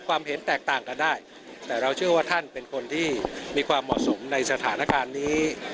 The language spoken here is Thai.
ความเห็นแตกต่างกันได้แต่เราเชื่อว่าท่านเป็นคนที่มีความเหมาะสมในสถานการณ์นี้